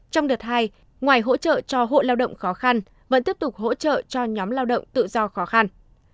trong đợt hai ngoài hỗ trợ cho hộ lao động khó khăn vẫn tiếp tục hỗ trợ cho nhóm lao động tự do khó khăn